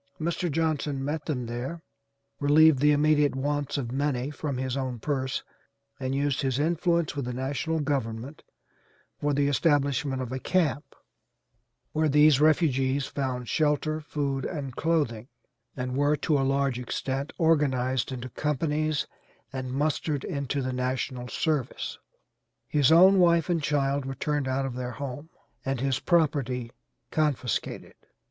Mr. Johnson met them there, relieved the immediate wants of many from his own purse and used his influence with the national government for the establishment of a camp where these refugees found shelter, food and clothing, and were to a large extent organized into companies and mustered into the national service. His own wife and child were turned out of their home and his property confiscated.